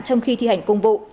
trong khi thi hành công vụ